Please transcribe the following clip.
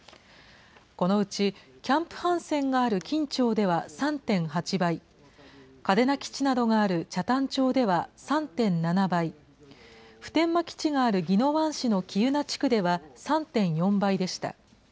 このうちキャンプ・ハンセンがある金武町では３．８倍、嘉手納基地などがある北谷町では３．７倍、普天間基地がある宜野湾市の喜友名地区では３．４倍でした。